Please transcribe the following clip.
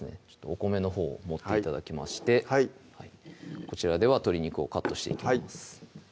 お米のほうを盛って頂きましてこちらでは鶏肉をカットしていきます